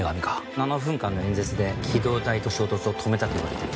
７分間の演説で機動隊と衝突を止めたといわれている。